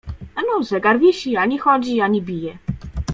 Ano, zegar wisi, ani chodzi, ani bije.